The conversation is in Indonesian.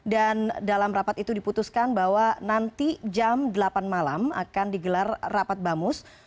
dan dalam rapat itu diputuskan bahwa nanti jam delapan malam akan digelar rapat bamus